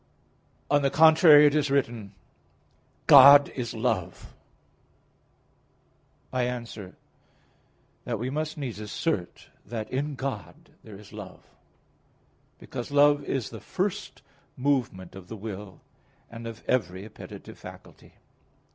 On the contrary, It is written: "God is love" (John 4:16). I answer that, We must needs assert that in God there is love: because love is the first movement of the will and of every appetitive faculty.